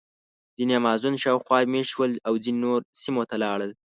ځینې د امازون شاوخوا مېشت شول او ځینې نورو سیمو ته لاړل.